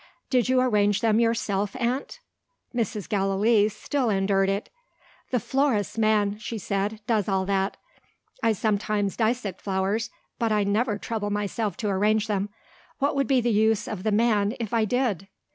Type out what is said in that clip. "Did you arrange them yourself, aunt?" Mrs. Gallilee still endured it. "The florist's man," she said, "does all that. I sometimes dissect flowers, but I never trouble myself to arrange them. What would be the use of the man if I did?"